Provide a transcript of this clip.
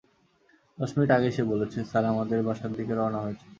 দশ মিনিট আগেই সে বলেছে, স্যার আমাদের বাসার দিকে রওনা হয়েছেন।